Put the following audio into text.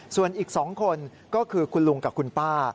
ส่วนอีก๒คนก็คือคุณลุงกับคุณป้า